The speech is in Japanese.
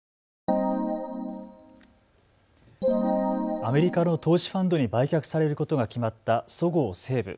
アメリカの投資ファンドに売却されることが決まったそごう・西武。